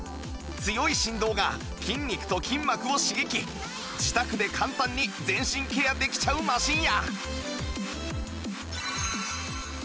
強い振動が筋肉と筋膜を刺激自宅で簡単に全身ケアできちゃうマシンや